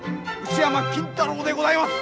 牛山金太郎でございます！